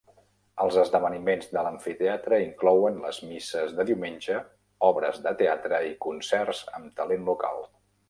Els esdeveniments de l'amfiteatre inclouen les misses de diumenge, obres de teatre i concerts amb talent local.